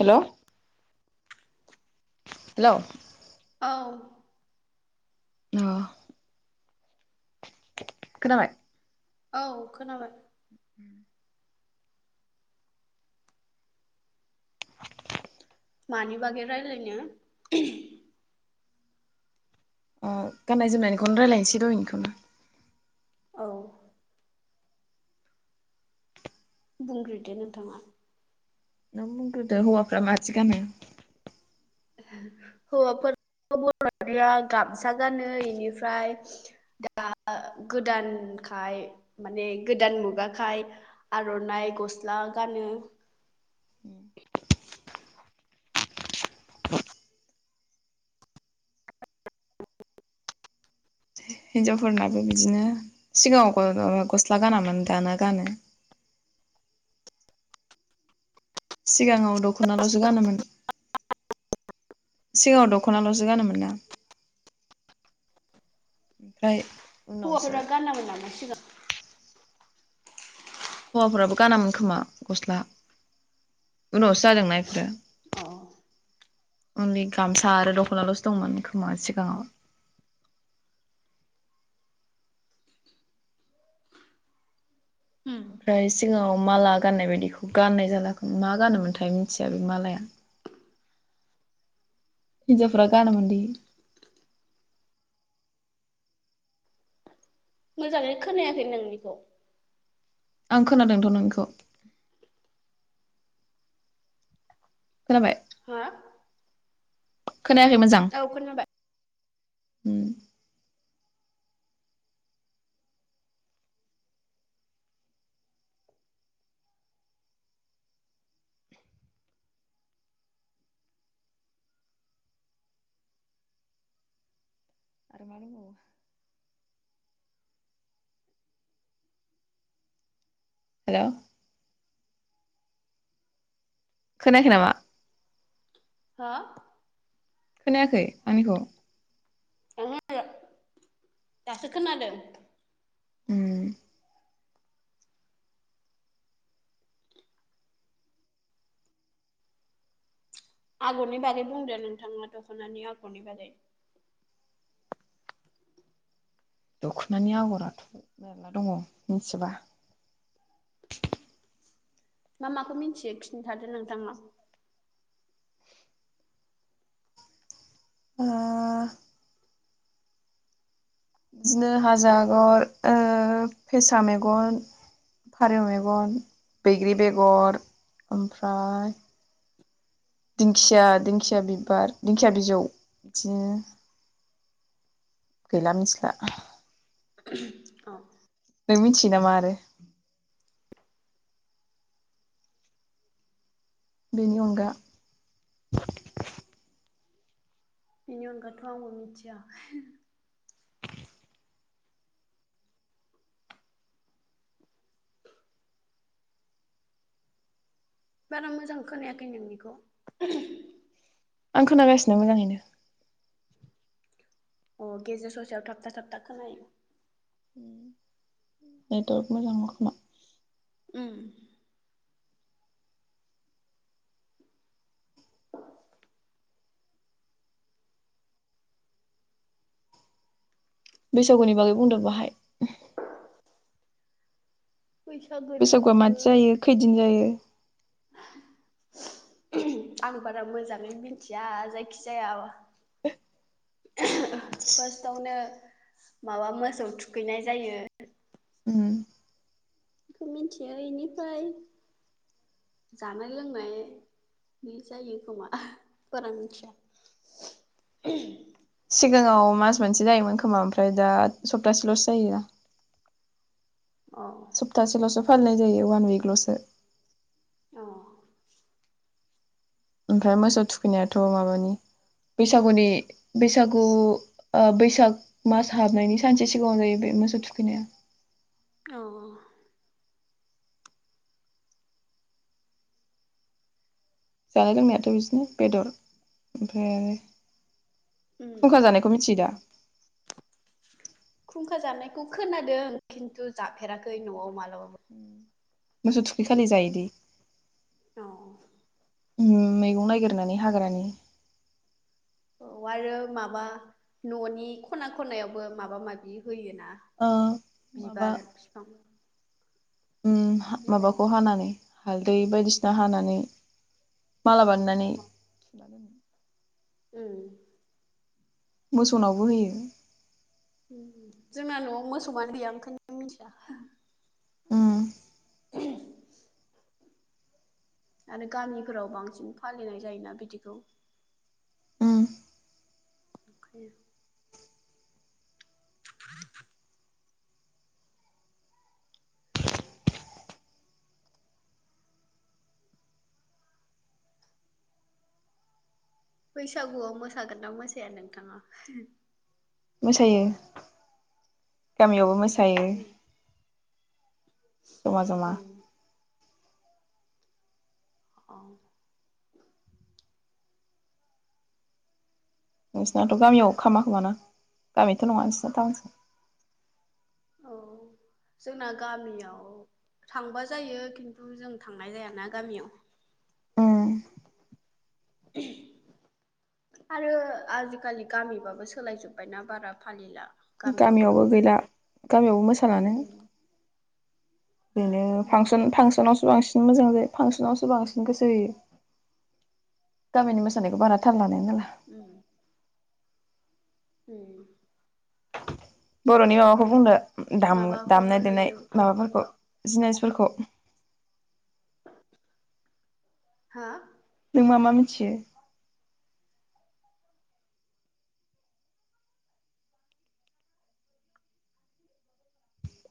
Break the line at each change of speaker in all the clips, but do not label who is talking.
हेल' hello
औ
ओ खोनाबाय
औ खोनाबाय
[inaudible]
मानि बागै रायलायनो
ओ गाननाय जोमनायनिखौनो रायज्लायनोसै दहायनिखौनो
औ बुंग्रोदो नोंथाङा
नों बुंग्रोदो हौवाफोरा मादि गानो
हौवाफोर बर हारिया गामसा गानो इनिफ्राय दा गोदानखाय माने गोदान मुगाखाय आरनाइ गस्ला गानो
हिनजावफोरनाबो बिदिनो सिगाङाव गस्ला गानामोन दाना गानो सिगाङाव दखनालसो गानोमोन सिगाङाव दखनालसो गानोमोन ना ओमफ्राय उनावसो
हौवाफोरा गानामोन नामा सिगां
हौवाफोराबो गानामोन खोमा गस्ला उनावसो जादोंना इफोरो
अ
अनलि गामसा आरो दखनालसो दंमोन खोमा सिगाङाव ओमफ्राय सिगाङाव माला गाननाय बायदिखौ गाननाय जालाखौ मा गानोमोनथाय मिथिया बे मालाया हिनजावफोरा गानोमोनदि
मोजाङै खोनायाखै नोंनिखौ
आं खोनादोंथ नोंनिखौ खोनाबाय
हा
खोनायाखै मोजां
औ खोनाबाय
[inaudible] [inaudible] हेलौ खोनायाखै नामा
हा
खोनायाखै आंनिखौ
ओंहो दासो खोनादों
उम
आगरनि बारै बुंदो नोंथाङा दख'नानि आगरनि बारै
दख'नि आगराथ' मेरला दङ मिथिबा
मा माखौ मिन्थियो खिन्थादो नोंथाङा।
ओ बिदिनो हाजो आगर ओ फेसा मेगन फारौ मेगन बैग्रि बेगर ओमफ्राय दिंखिया दिंखिया बिबार दिंखिया बिजौ बिदिनो गैला मिथिला
[unintelligible]
नों मिथियो नामा आरो? बिनि अनगा
बेनि अनगाथ' आंबो मिथिया। बारा मोजां खोनायाखै नोंनिखौ।
आं खोनागासिनो मोजाङैनो
अ गेजेर ससेयाव थाबथा थाबथा खोनायो।
नथ'अर्क मोजां नाङा खोमा
उम
बैसागुनि बागै बुंदो बाहाय।
बैसागोनि
बैसागुआ मादि
बागै
जायो खैदिन जायो
आं बारा मोजाङै मिथिया जायखिजाया फारस्टआवनो माबा मोसौ थुखैनाय जायो
उम
बेखौ मिथियो बेनिफ्राय जानाय लोंनाय बे जायो खोमा बारा मिथिया।
सिगाङाव मास मोनसे जायोमोन खोमा ओमफ्राय दा सप्तासेल'सो जायो।
औ।
सप्तासेल'सो फालिनाय जायो ववान उइकल'सो।
औ।
ओमफ्राय मोसौ थुखैनायाथ' माबानि, बैसागुनि बैसागु ओ बैसाग मास हाबनायनि सानसे सिगाङाव जायो बे मोसौ थुखैनाया।
औ औ।
जानाय लोंनायाथ' बिदिनो बेदर ओमफ्राय आरो
उम
खुंखा जानाय खौ मिथियोदा?
खुंखा जानायखौ खोनादों खिन्थु जाफेराखै न'आव मालाबाबो।
मोसौ थुखै खालि जायो दी।
औ।
उ मैगं नागिरनानै हाग्रानि
औ आरो माबा न'नि खना खनायावबो माबा माबि होयो ना।
ओ
बिबार बिफां
उ
बिलाइ
माबाखौ हानानै हालदै बायदिसिना हानानै, माला बानायनानै सोना दोनो
उम
मोसौनावबो होयो।
जोंना न'आव मोसौआनो गैया ओंखायनो मिथिया।
ओम।
आरो गामिफोराव बांसिन फालिनाय जायोना बिदिखौ?
उम
उखैयो। [unintelligible] बैसागुआव मोसागोनना मोसाया नोंथाङा?
मोसायो, गामियावबो मोसायो। जमा जमा।
उम अ'।
नोंसिनाथ' गामियाव खामा खोमा ना? गामिथ' नङा नोंसिना टाउनसो।
औ
[inaudible]
जोंना गामियाव थांबा जायो खिन्थु जों थांनाय जायाना गामियाव।
उम।
[unintelligible] आरो आजिखालि गामिबाबो सोलायजोब्बायना बारा फालिला।
गामियावबो गैला गामियावबो मोसालानो।
उम
बेनो
उम
फांसन-फांसनावसो बांसिन मोजां जायो, फांसनावसो बांसिन गोसो होयो। गामिनि मोानायखौ बारा थाल लानाय
उम। होम।
बर'नि माबाखौ बुंदो, दाम-दामनाय
माबाखौल'
देनाय
नुयो
माबाफोरखौ
फांसनाव
जिनिसफोरखौ।
हा?
नों मा मा मिथियो?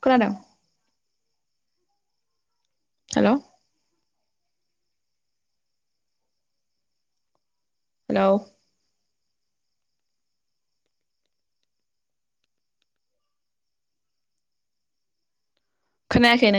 खोनादों? हेल'। हेलौ? खोनायाखै नो